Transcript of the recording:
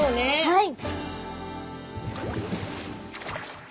はい。